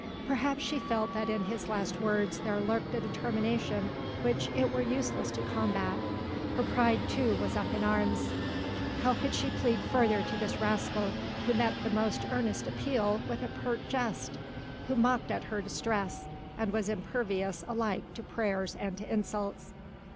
Perhaps she felt that in his last words there lurked a determination which it were useless to combat. Her pride too was up in arms. How could she plead further to this rascal who met the most earnest appeal with a pert jest? who mocked at her distress, and was impervious alike to prayers and to insults?